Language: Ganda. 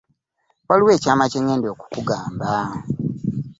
Waliwo ekyama kyengenda okukugamba.